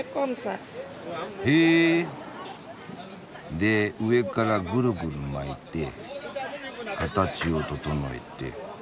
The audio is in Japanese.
で上からぐるぐる巻いて形を整えて。